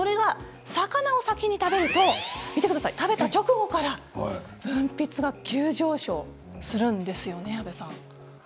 魚を先に食べると食べた直後から分泌が急上昇するんですよね。